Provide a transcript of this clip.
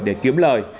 để kiếm lời